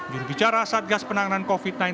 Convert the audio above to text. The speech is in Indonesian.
jurubicara satgas penanganan covid sembilan belas